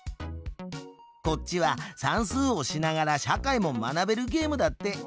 こっちは算数をしながら社会も学べるゲームだって。